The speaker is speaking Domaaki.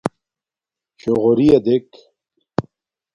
شݸغݸرِیݳ دݵک.